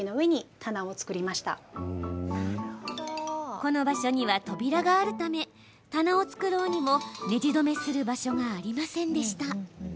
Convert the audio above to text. この場所には扉があるため棚を作ろうにも、ねじ留めする場所がありませんでした。